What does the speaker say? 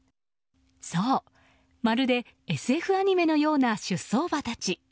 そう、まるでＳＦアニメのような出走馬たち。